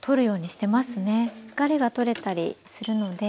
疲れが取れたりするので。